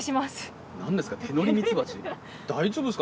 大丈夫ですか？